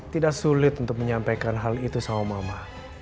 tidak sulit untuk menyampaikan hal itu sama mama